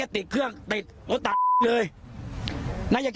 ก็ติดเครื่องติดรถดานเลย